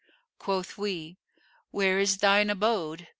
Quoth we, 'Where is thine abode?